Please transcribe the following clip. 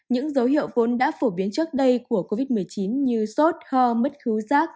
những dấu hiệu vốn đã phổ biến trước đây của covid một mươi chín như sốt ho mứt khứ rác